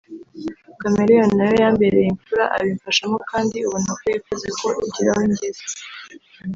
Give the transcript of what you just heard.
Chameleone na we yambereye imfura abimfashamo kandi ubona ko yifuza ko igira aho ingeza